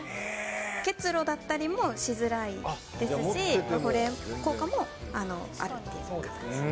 結露だったりもしづらいですし、保冷効果もあるっていう形です。